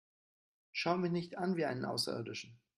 Schau mich nicht an wie einen Außerirdischen!